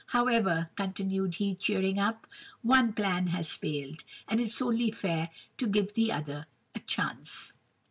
However,' continued he, cheering up, 'one plan has failed, and it's only fair to give the other a chance!